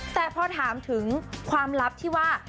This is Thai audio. แต่พอถามถึงความลับที่ว่า